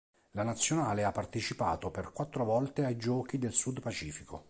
La Nazionale ha partecipato per quattro volte ai Giochi del Sud Pacifico.